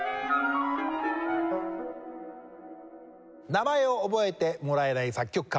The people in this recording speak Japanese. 名前を覚えてもらえない作曲家